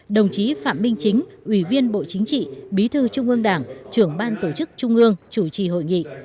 đồng chí phạm minh chính ủy viên bộ chính trị bí thư trung ương đảng trưởng ban tổ chức trung ương chủ trì hội nghị